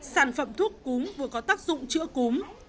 sản phẩm thuốc cúm vừa có tác dụng chữa cúm